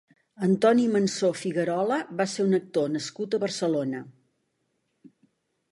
Antoni Mansó Figuerola va ser un actor nascut a Barcelona.